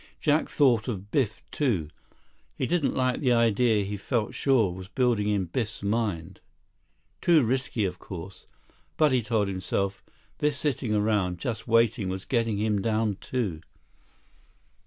Jack thought of Biff, too. He didn't like the idea he felt sure was building in Biff's mind. Too risky, of course. But, he told himself, this sitting around, just waiting, was getting him down too.